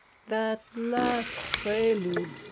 "That last prelude!